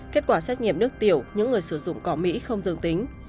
kết quả xét nghiệm nước tiểu những người sử dụng cỏ mỹ không dương tính